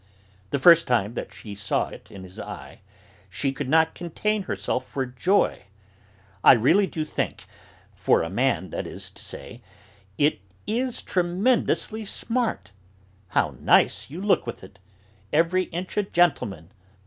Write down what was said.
The first time that she saw it in his eye, she could not contain herself for joy: "I really do think for a man, that is to say it is tremendously smart! How nice you look with it! Every inch a gentleman.